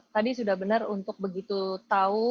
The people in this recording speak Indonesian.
tadi sudah benar untuk begitu tahu